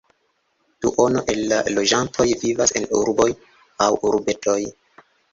Duono el la loĝantoj vivas en urboj aŭ urbetoj.